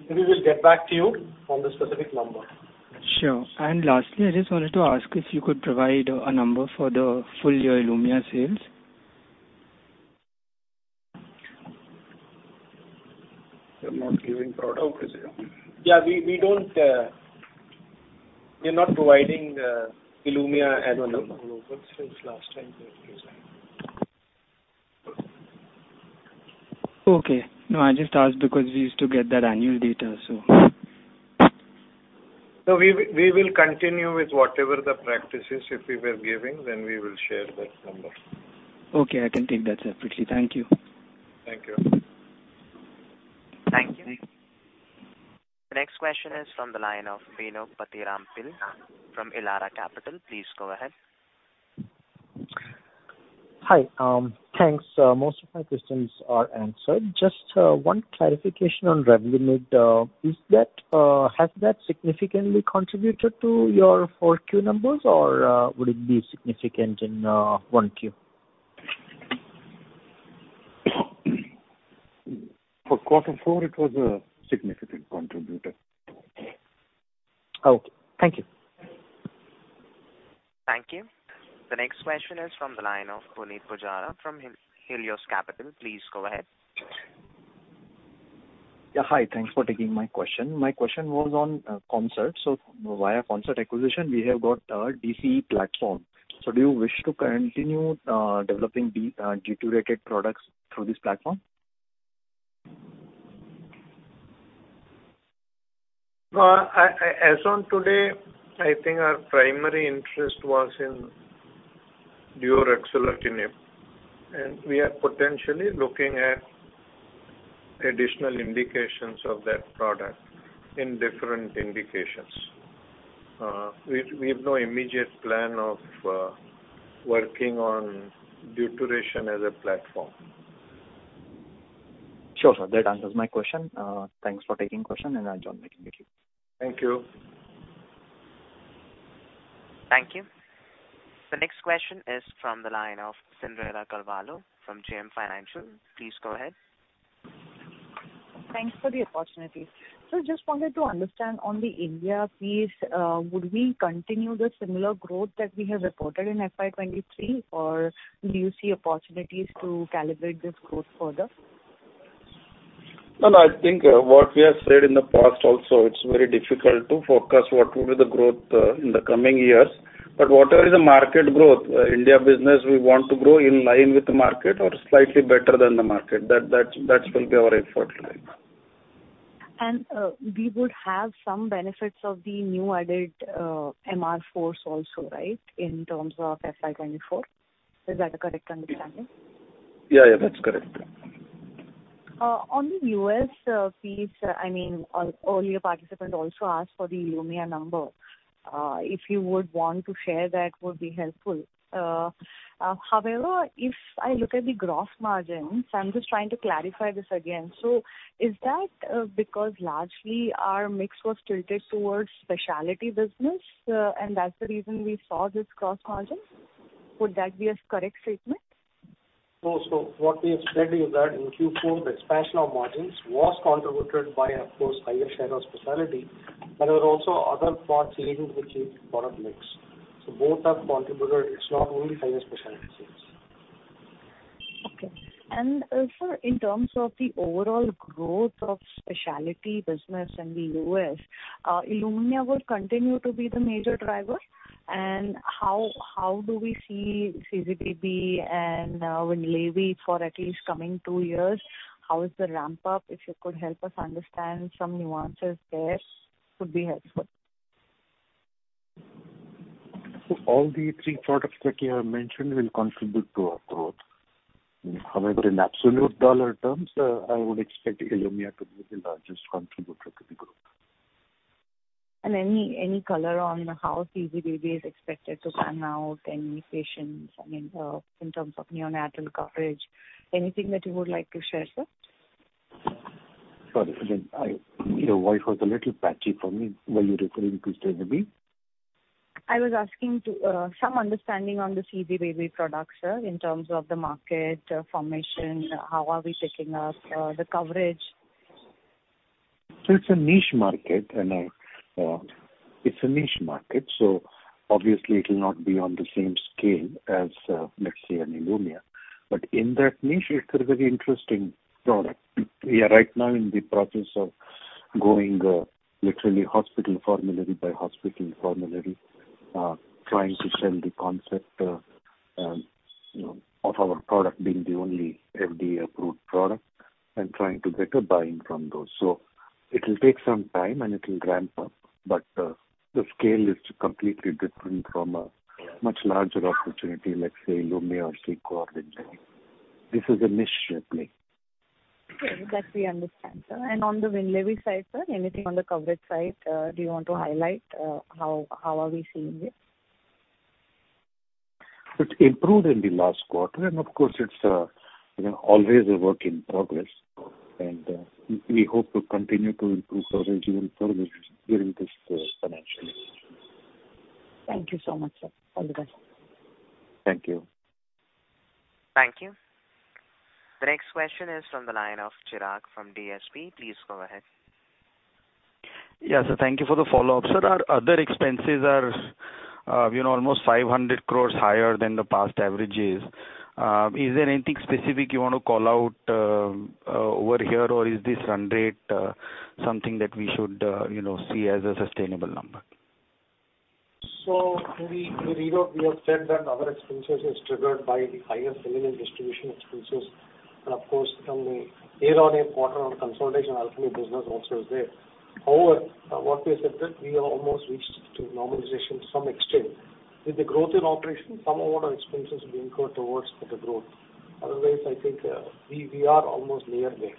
We will get back to you on the specific number. Sure. Lastly, I just wanted to ask if you could provide a number for the full year ILUMYA sales? We're not giving product, is it? Yeah, we don't, we are not providing ILUMYA as a number. Since last time. Okay. No, I just asked because we used to get that annual data, so. We will continue with whatever the practice is. If we were giving, then we will share that number. Okay, I can take that separately. Thank you. Thank you. Thank you. The next question is from the line of Bino Pathiparampil from Elara Capital. Please go ahead. Hi. Thanks. Most of my questions are answered. Just one clarification on REVLIMID. Has that significantly contributed to your Q4 numbers, or would it be significant in Q1? For quarter four, it was a significant contributor. Okay, thank you. Thank you. The next question is from the line of Punit Pujara from Helios Capital. Please go ahead. Yeah, hi. Thanks for taking my question. My question was on Concert. Via Concert acquisition, we have got a DCE Platform. Do you wish to continue developing the deuterated products through this Platform? I, as on today, I think our primary interest was in deuruxolitinib, and we are potentially looking at additional indications of that product in different indications. We have no immediate plan of working on deuteration as a platform. Sure, sir. That answers my question. Thanks for taking question, I enjoy making it with you. Thank you. Thank you. The next question is from the line of Cyndrella Carvalho from JM Financial. Please go ahead. Thanks for the opportunity. Just wanted to understand on the India piece, would we continue the similar growth that we have reported in FY 2023, or do you see opportunities to calibrate this growth further? No, no, I think, what we have said in the past also, it's very difficult to forecast what will be the growth in the coming years. Whatever is the market growth, India business, we want to grow in line with the market or slightly better than the market. That will be our effort line. We would have some benefits of the new added, MR force also, right, in terms of FY 2024? Is that a correct understanding? Yeah, yeah, that's correct. On the US piece, I mean, earlier participant also asked for the ILUMYA number. If you would want to share, that would be helpful. However, if I look at the gross margins, I'm just trying to clarify this again. Is that because largely our mix was tilted towards specialty business, and that's the reason we saw this gross margin? Would that be a correct statement? What we have said is that in Q4, the expansion of margins was contributed by, of course, higher share of specialty, but there were also other parts leading to the product mix. Both are contributor. It's not only higher specialty sales. Okay. Sir, in terms of the overall growth of specialty business in the U.S., ILUMYA will continue to be the major driver. How do we see CEQUA and WINLEVI for at least coming two years? How is the ramp up? If you could help us understand some nuances there, would be helpful. All the 3 products that you have mentioned will contribute to our growth. However, in absolute dollar terms, I would expect ILUMYA to be the largest contributor to the growth. Any, any color on how Sezaby is expected to pan out, any patients, I mean, in terms of neonatal coverage, anything that you would like to share, sir? Sorry, I, you know, voice was a little patchy for me. Were you referring to CG-B? I was asking to, some understanding on the CG-B product, sir, in terms of the market formation, how are we taking up, the coverage? It's a niche market, and I, it's a niche market, obviously it will not be on the same scale as, let's say an ILUMYA. In that niche, it's a very interesting product. We are right now in the process of going, literally hospital formulary by hospital formulary, trying to sell the concept, you know, of our product being the only FDA-approved product and trying to get a buy-in from those. It will take some time, and it will ramp up, but the scale is completely different from a much larger opportunity, let's say ILUMYA or CEQUA or WINLEVI. This is a niche play. Okay, that we understand, sir. On the WINLEVI side, sir, anything on the coverage side, do you want to highlight, how are we seeing it? It's improved in the last quarter, and of course it's, you know, always a work in progress, and we hope to continue to improve the coverage even further during this financial year. Thank you so much, sir. All the best. Thank you. Thank you. The next question is from the line of Chirag from DSP. Please go ahead. Yeah, thank you for the follow-up. Sir, our other expenses are, you know, almost 500 crores higher than the past averages. Is there anything specific you want to call out over here? Is this run rate something that we should, you know, see as a sustainable number? We have said that our expenses is triggered by the higher selling and distribution expenses. Of course, from the year-over-year quarter on consolidation, Alchemee business also is there. What we said that we are almost reached to normalization to some extent. With the growth in operation, some of our expenses will incur towards the growth. I think, we are almost near there.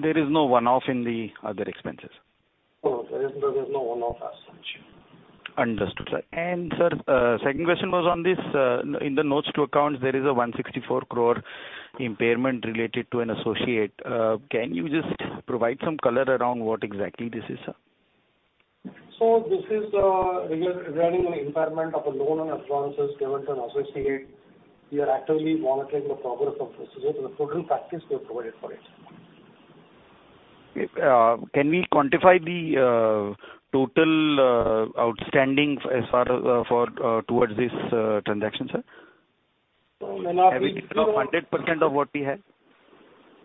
There is no one-off in the other expenses? No, there is no one-off as such. Understood, sir. Sir, second question was on this, in the notes to accounts, there is a 164 crore impairment related to an associate. Can you just provide some color around what exactly this is, sir? This is regarding an impairment of a loan and advances given to an associate. We are actively monitoring the progress of this. The total package we have provided for it. Can we quantify the total outstanding as far as for towards this transaction, sir? So when I- Have we 100% of what we have?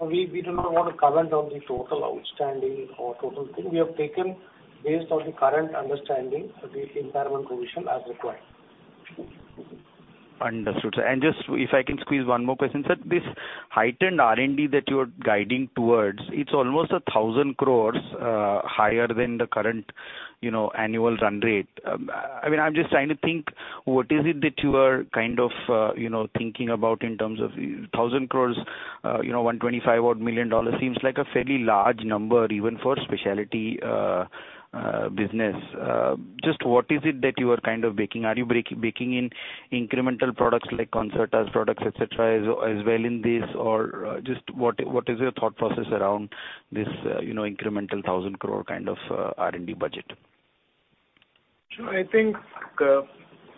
We do not want to comment on the total outstanding or total thing. We have taken based on the current understanding of the impairment provision as required. Understood. Just if I can squeeze one more question, sir. This heightened R&D that you are guiding towards, it's almost 1,000 crore higher than the current, you know, annual run rate. I mean, I'm just trying to think, what is it that you are kind of, you know, thinking about in terms of 1,000 crore, you know, $125 odd million seems like a fairly large number, even for specialty business. Just what is it that you are kind of baking? Are you baking in incremental products like Concert's products, et cetera, as well in this? Or, just what is your thought process around this, you know, incremental 1,000 crore kind of R&D budget? I think,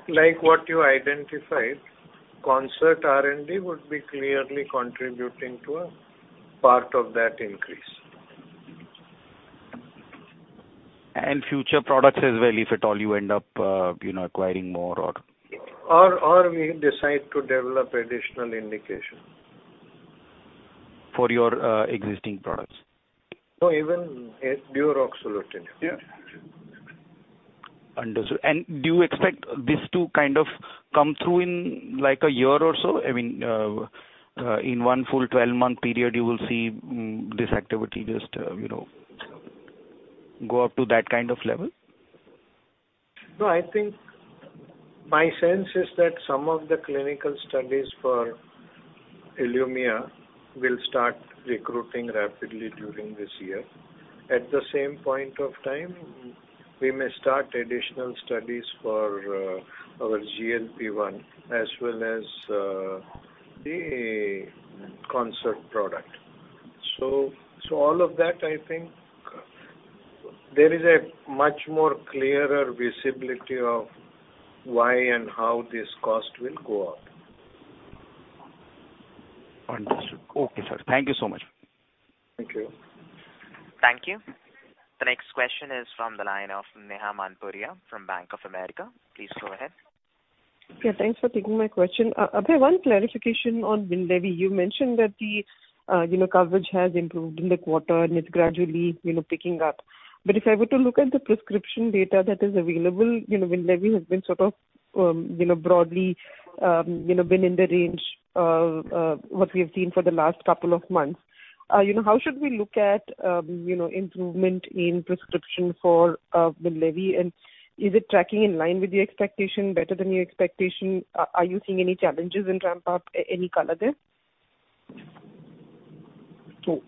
like what you identified, Concert R&D would be clearly contributing to a part of that increase. future products as well, if at all, you end up, you know, acquiring more. we decide to develop additional indication. For your existing products? No, even a deuruxolitinib. Yeah. Understood. Do you expect this to kind of come through in, like, a year or so? I mean, in one full 12-month period, you will see this activity just, you know, go up to that kind of level? No, I think my sense is that some of the clinical studies for ILUMYA will start recruiting rapidly during this year. At the same point of time, we may start additional studies for our GLP-1, as well as the Concert product. All of that, I think, there is a much more clearer visibility of why and how this cost will go up. Understood. Okay, sir. Thank you so much. Thank you. Thank you. The next question is from the line of Neha Manpuria from Bank of America. Please go ahead. Thanks for taking my question. Abhay, one clarification on WINLEVI. You mentioned that the, you know, coverage has improved in the quarter, and it's gradually, you know, picking up. If I were to look at the prescription data that is available, you know, WINLEVI has been sort of, you know, broadly, you know, been in the range of, what we have seen for the last couple of months. You know, how should we look at, you know, improvement in prescription for, WINLEVI, and is it tracking in line with your expectation, better than your expectation? Are you seeing any challenges in ramp-up, any color there?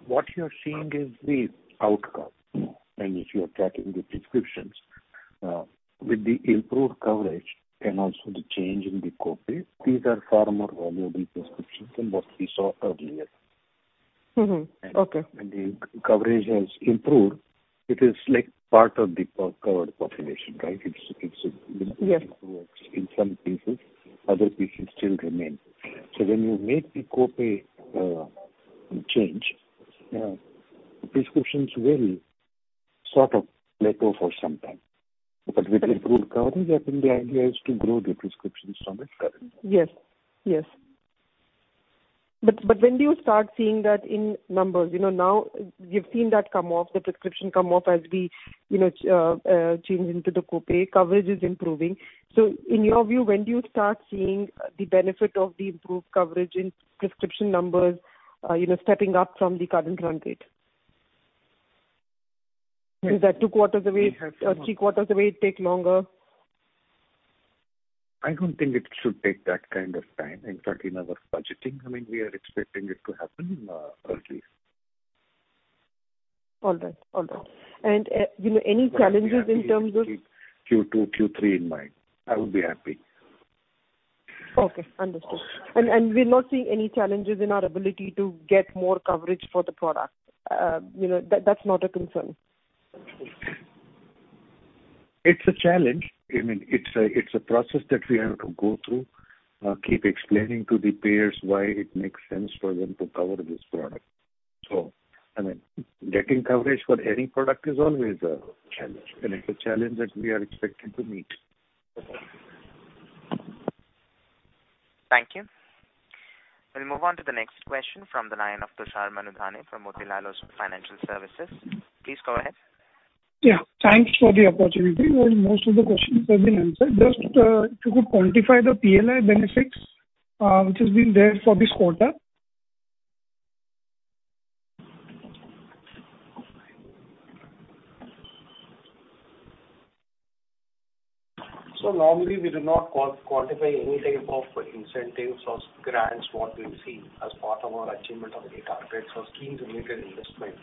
What you're seeing is the outcome, and if you are tracking the prescriptions, with the improved coverage and also the change in the co-pay, these are far more valuable prescriptions than what we saw earlier. Mm-hmm. Okay. The coverage has improved. It is like part of the co-covered population, right? It's. Yes. In some cases, other patients still remain. When you make the co-pay change, prescriptions will sort of let go for some time. With improved coverage, I think the idea is to grow the prescriptions from its current. Yes. When do you start seeing that in numbers? You know, now you've seen that come off, the prescription come off, as we, you know, change into the co-pay. Coverage is improving. In your view, when do you start seeing the benefit of the improved coverage in prescription numbers, you know, stepping up from the current run rate? Is that two quarters away? We have. Three quarters away, take longer? I don't think it should take that kind of time. In fact, in our budgeting, I mean, we are expecting it to happen early. All right. All right. You know, any challenges in terms of... Q2, Q3 in mind, I would be happy. Okay, understood. We're not seeing any challenges in our ability to get more coverage for the product, you know, that's not a concern? It's a challenge. I mean, it's a process that we have to go through, keep explaining to the payers why it makes sense for them to cover this product. I mean, getting coverage for any product is always a challenge, and it's a challenge that we are expecting to meet. Thank you. We'll move on to the next question from the line of Tushar Manudhane from Motilal Oswal Financial Services. Please go ahead. Thanks for the opportunity. Most of the questions have been answered. Just, if you could quantify the PLI benefits, which has been there for this quarter. normally, we do not quantify any type of incentives or grants what we receive as part of our achievement of the targets or scheme-related investments.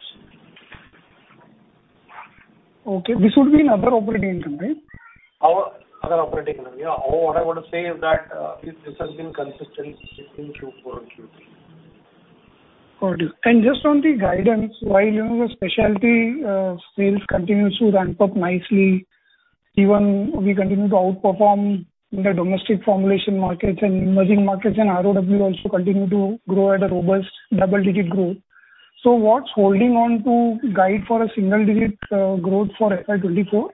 Okay. This would be in other operating income, right? Our other operating income, yeah. All what I want to say is that, this has been consistent between Q4 and Q3. Got it. Just on the guidance, while, you know, the specialty sales continues to ramp up nicely, even we continue to outperform in the domestic formulation markets and emerging markets, and ROW also continue to grow at a robust double-digit growth. So what's holding on to guide for a single-digit growth for FY 2024?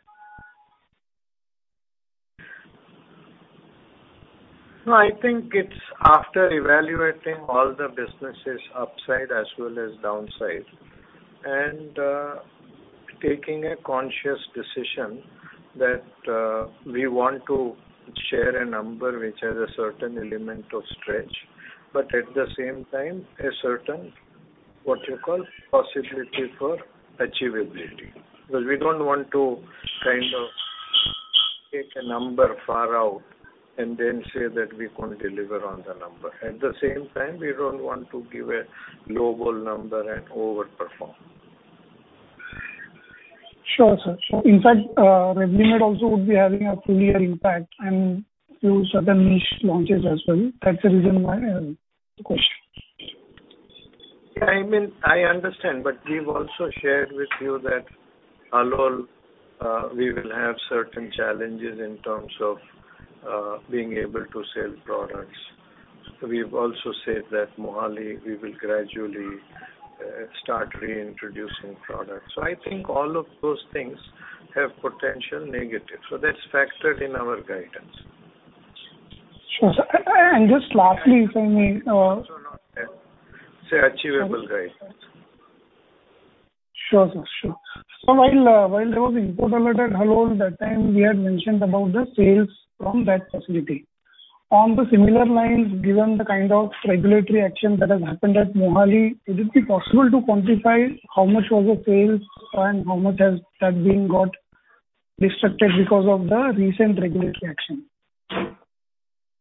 No, I think it's after evaluating all the businesses upside as well as downside, and taking a conscious decision that we want to share a number which has a certain element of stretch, but at the same time, a certain, what you call, possibility for achievability. We don't want to kind of take a number far out and then say that we can't deliver on the number. At the same time, we don't want to give a lowball number and overperform. Sure, sir. In fact, REVLIMID also would be having a full year impact and few certain niche launches as well. That's the reason why I asked the question. Yeah, I mean, I understand, but we've also shared with you that Halol, we will have certain challenges in terms of being able to sell products. We've also said that Mohali, we will gradually start reintroducing products. I think all of those things have potential negative. That's factored in our guidance. Sure, sir. Just lastly, if I may, It's an achievable guide. Sure, sir. Sure. While there was import alert at Halol, that time we had mentioned about the sales from that facility. On the similar lines, given the kind of regulatory action that has happened at Mohali, would it be possible to quantify how much was the sales and how much has that been got disrupted because of the recent regulatory action?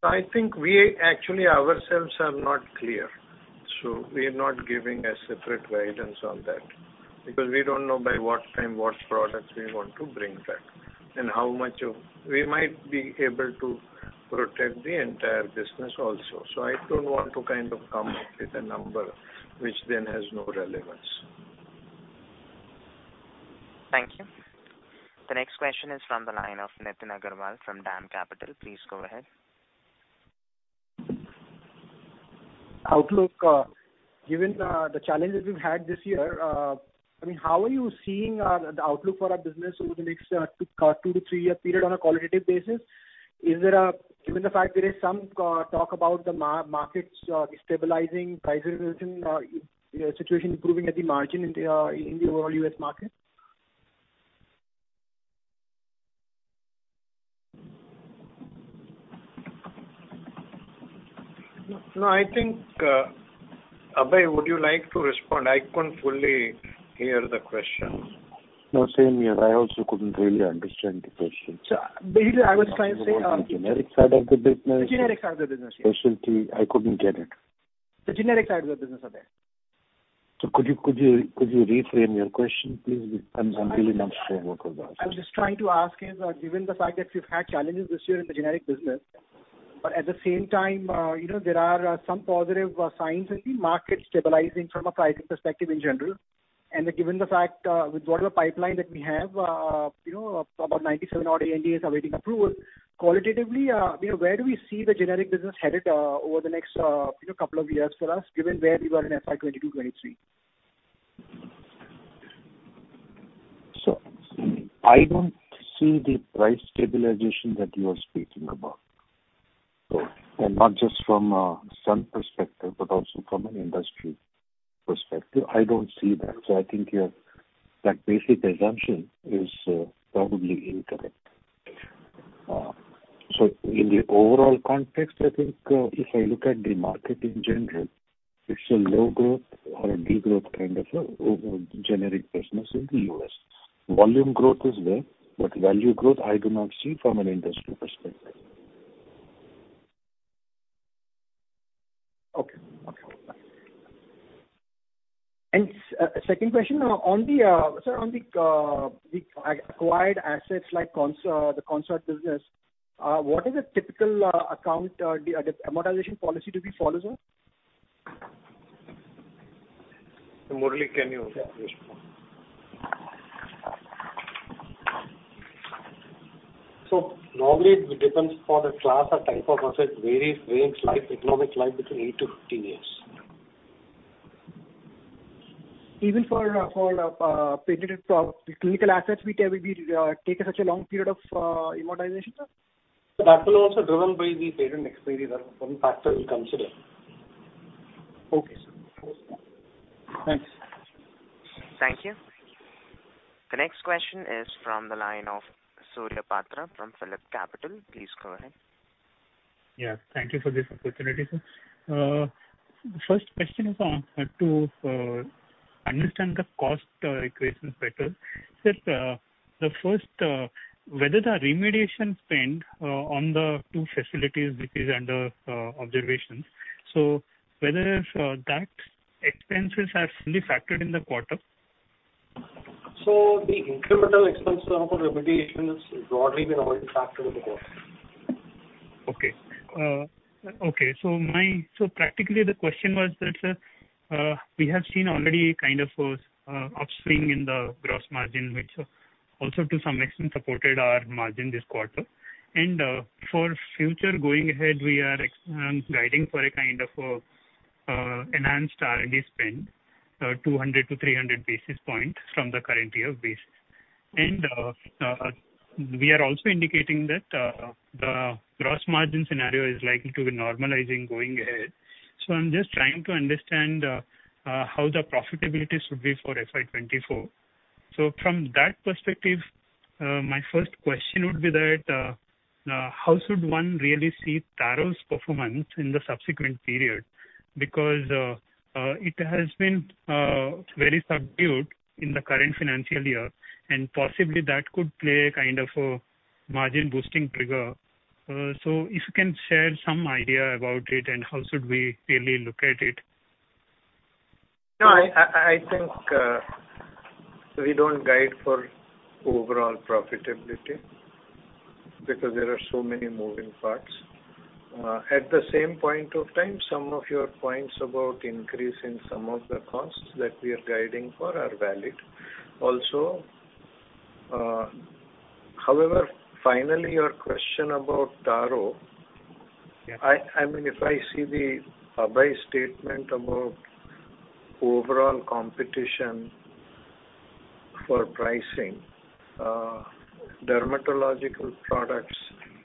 I think we actually ourselves are not clear, so we are not giving a separate guidance on that. We don't know by what time, what products we want to bring back. We might be able to protect the entire business also. I don't want to kind of come up with a number which then has no relevance. Thank you. The next question is from the line of Nitin Agarwal from DAM Capital. Please go ahead. Outlook, given the challenges we've had this year, I mean, how are you seeing the outlook for our business over the next two to three year period on a qualitative basis? Given the fact there is some talk about the markets destabilizing, prices and situation improving at the margin in the overall US market? No, I think, Abhay, would you like to respond? I couldn't fully hear the question. No, same here. I also couldn't really understand the question. basically, I was trying to say. Generic side of the business? The generic side of the business, yes. Specialty. I couldn't get it. The generic side of the business, Abhay. Could you reframe your question, please? I'm really not sure what was asked. I was just trying to ask is, given the fact that we've had challenges this year in the generic business, but at the same time, you know, there are some positive signs in the market stabilizing from a pricing perspective in general. Given the fact, with whatever pipeline that we have, you know, about 97 odd ANDAs awaiting approval, qualitatively, you know, where do we see the generic business headed over the next, you know, couple of years for us, given where we were in FY 2022, 2023? I don't see the price stabilization that you are speaking about. And not just from some perspective, but also from an industry perspective. I don't see that. I think your, that basic assumption is probably incorrect. In the overall context, I think, if I look at the market in general, it's a low growth or a degrowth kind of a over generic business in the U.S. Volume growth is there, but value growth I do not see from an industry perspective. Okay. Okay, bye. Second question. On the sir, on the acquired assets like Concert, the Concert business, what is the typical account the amortization policy to be followed, sir? Murali, can you respond? Normally, it depends for the class or type of asset, varies life, economic life between 8-15 years. ... even for patented clinical assets, which will be taking such a long period of amortization, sir? That will also driven by the patent expiry, that one factor we consider. Okay, sir. Thanks. Thank you. The next question is from the line of Surya Patra from PhillipCapital. Please go ahead. Yeah, thank you for this opportunity, sir. First question is to understand the cost equation better. Sir, the first whether the remediation spend on the two facilities, which is under observation, so whether that expenses are fully factored in the quarter? The incremental expense for remediation is broadly been already factored in the quarter. Okay. So practically, the question was that we have seen already kind of upswing in the gross margin, which also to some extent supported our margin this quarter. For future going ahead, we are guiding for a kind of enhanced R&D spend, 200 basis points-300 basis points from the current year base. We are also indicating that the gross margin scenario is likely to be normalizing going ahead. I'm just trying to understand how the profitability should be for FY 2024. From that perspective, my first question would be that how should one really see Taro's performance in the subsequent period? It has been very subdued in the current financial year, and possibly that could play a kind of a margin boosting trigger. If you can share some idea about it, and how should we really look at it? I think we don't guide for overall profitability because there are so many moving parts. At the same point of time, some of your points about increase in some of the costs that we are guiding for are valid. Finally, your question about Taro. Yeah. I mean, if I see the Abhay statement about overall competition for pricing, dermatological products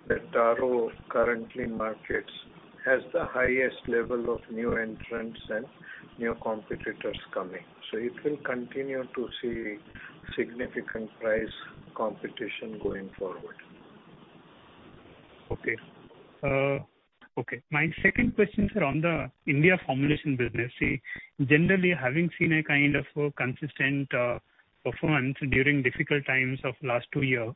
that Taro currently markets has the highest level of new entrants and new competitors coming. It will continue to see significant price competition going forward. Okay, my second question, sir, on the India formulation business. Generally, having seen a kind of a consistent performance during difficult times of last 2 years,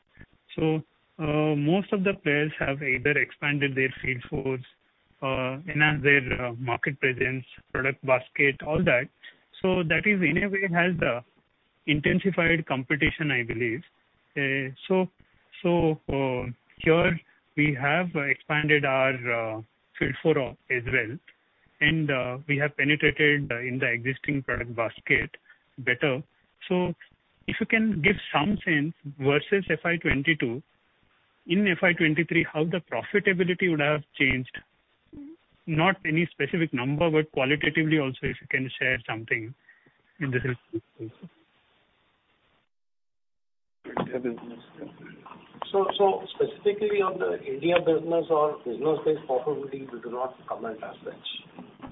most of the players have either expanded their field force, enhanced their market presence, product basket, all that. That is, in a way, has the intensified competition, I believe. Here we have expanded our field force as well, and we have penetrated in the existing product basket better. If you can give some sense versus FY 2022, in FY 2023, how the profitability would have changed? Not any specific number, but qualitatively also, if you can share something in this. Specifically on the India business, our business-based profitability, we do not comment as such.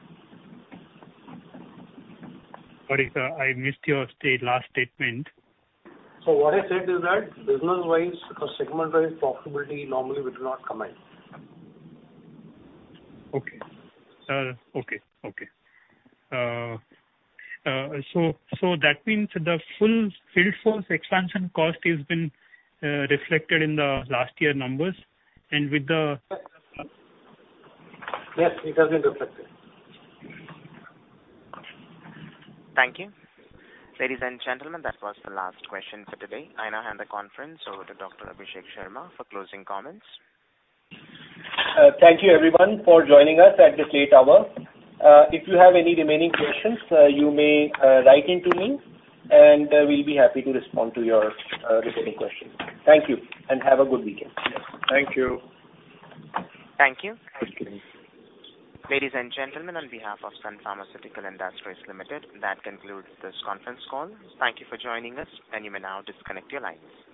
Sorry, sir, I missed your last statement. What I said is that business-wise or segment-wise, profitability normally we do not comment. Okay. Okay. That means the full field force expansion cost has been reflected in the last year numbers. Yes, it has been reflected. Thank you. Ladies and gentlemen, that was the last question for today. I now hand the conference over to Dr. Abhishek Sharma for closing comments. Thank you everyone for joining us at this late hour. If you have any remaining questions, you may write into me, and we'll be happy to respond to your remaining questions. Thank you, have a good weekend. Thank you. Thank you. Thank you. Ladies and gentlemen, on behalf of Sun Pharmaceutical Industries Limited, that concludes this conference call. Thank you for joining us, and you may now disconnect your lines.